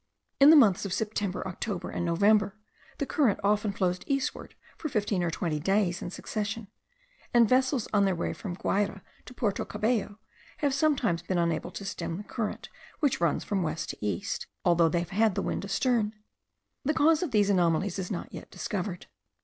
In the months of September, October, and November, the current often flows eastward for fifteen or twenty days in succession; and vessels on their way from Guayra to Porto Cabello have sometimes been unable to stem the current which runs from west to east, although they have had the wind astern. The cause of these anomalies is not yet discovered.